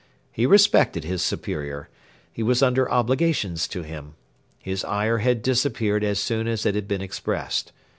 He respected his superior. He was under obligations to him. His ire had disappeared as soon as it had been expressed.